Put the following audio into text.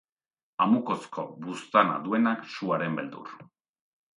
Amukozko buztana duenak suaren beldur.